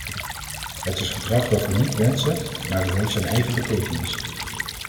Het is gedrag dat we niet wensen, maar het heeft zijn eigen betekenis.